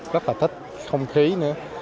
rất là thích không khí nữa